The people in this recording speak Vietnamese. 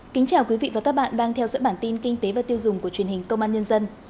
kính chào quý vị và các bạn đang theo dõi bản tin kinh tế và tiêu dùng của truyền hình công an nhân dân